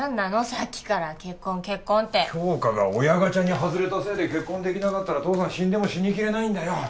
さっきから結婚結婚って杏花が親ガチャにはずれたせいで結婚できなかったら父さん死んでも死にきれないんだよ